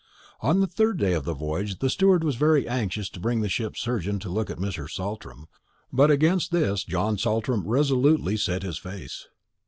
On the third day of the voyage the steward was very anxious to bring the ship's surgeon to look at Mr. Saltram; but against this John Saltram resolutely set his face.